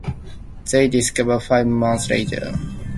They divorced five months later.